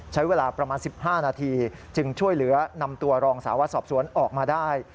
ใช้เวลาประมาณ๑๕นาทีจึงช่วยเหลือนำตัวรองสาววัดสอบสวนออกมาได้